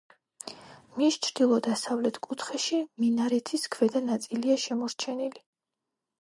მის ჩრდილო-დასავლეთ კუთხეში მინარეთის ქვედა ნაწილია შემორჩენილი.